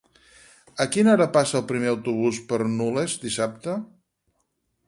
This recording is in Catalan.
A quina hora passa el primer autobús per Nulles dissabte?